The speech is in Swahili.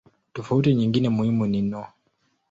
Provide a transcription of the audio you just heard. Tofauti nyingine muhimu ni no.